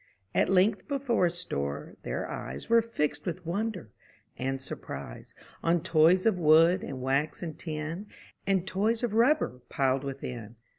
At length before a store, their eyes Were fixed with wonder and surprise On toys of wood, and wax, and tin, And toys of rubber piled within.